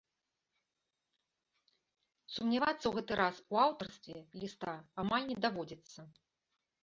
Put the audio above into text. Сумнявацца ў гэты раз у аўтарстве ліста амаль не даводзіцца.